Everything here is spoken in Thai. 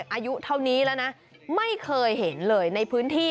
อายุเท่านี้แล้วนะไม่เคยเห็นเลยในพื้นที่